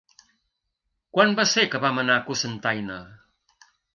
Quan va ser que vam anar a Cocentaina?